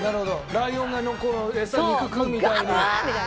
ライオンがこうエサ肉食うみたいに？